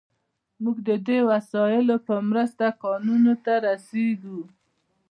موږ د دې وسایلو په مرسته کانونو ته رسیږو.